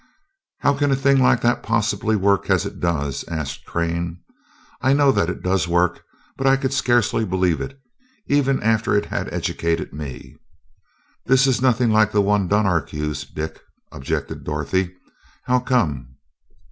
"How can a thing like that possibly work as it does?" asked Crane. "I know that it does work, but I could scarcely believe it, even after it had educated me." "That is nothing like the one Dunark used, Dick," objected Dorothy. "How come?"